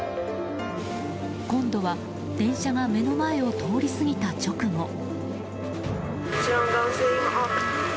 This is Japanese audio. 今度は電車が目の前を通り過ぎた直後。